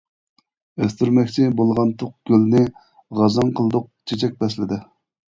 ئۆستۈرمەكچى بولغانتۇق گۈلنى، غازاڭ قىلدۇق چېچەك پەسلىدە.